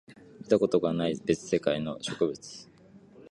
見たことがない別世界の植物